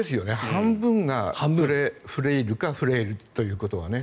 半分がプレフレイルかフレイルという。